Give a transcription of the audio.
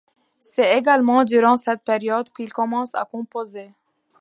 C'est également durant cette période qu'il commence à composer.